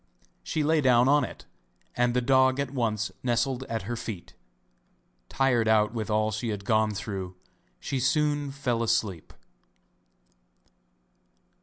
She lay down on it and the dog at once nestled at her feet. Tired out with all she had gone through she soon fell asleep.